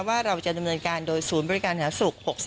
ว่าเราจะดำเนินการโดยศูนย์บริการหาศุกร์๖๓